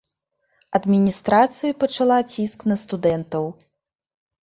Адміністрацыя пачала ціск на студэнтаў.